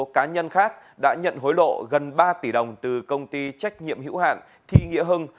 một mươi cá nhân khác đã nhận hối lộ gần ba tỷ đồng từ công ty trách nhiệm hữu hạn thi nghĩa hưng